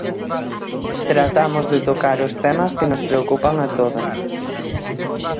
Tratamos de tocar os temas que nos preocupan a todas.